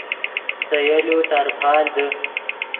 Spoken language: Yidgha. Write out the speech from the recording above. سے یولو ترپال دے